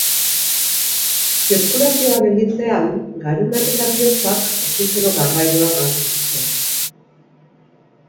Zirkulazioa gelditzean, garunak eta bihotzak oxigeno-garraioa galtzen dute.